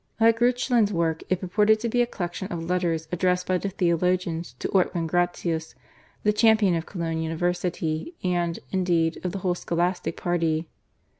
Like Reuchlin's work it purported to be a collection of letters addressed by the theologians to Ortwin Gratius, the champion of Cologne university and, indeed, of the whole Scholastic party.